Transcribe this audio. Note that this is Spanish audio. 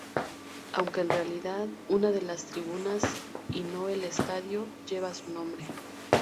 Aunque en realidad una de las tribunas y no el estadio lleva su nombre.